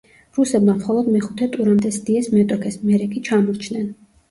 რუსებმა მხოლოდ მეხუთე ტურამდე სდიეს მეტოქეს, მერე კი ჩამორჩნენ.